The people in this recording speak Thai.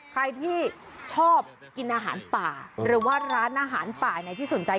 ใครที่ชอบกินอาหารป่าหรือว่าร้านอาหารป่าไหนที่สนใจ